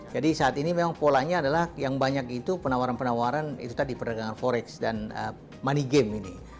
jadi saat ini memang polanya adalah yang banyak itu penawaran penawaran itu tadi perdagangan forex dan money game ini